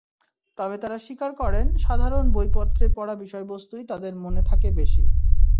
তবে তাঁরা স্বীকার করেন, সাধারণ বইপত্রে পড়া বিষয়বস্তুই তাঁদের মনে থাকে বেশি।